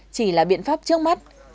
chỉ là biện pháp trước mắt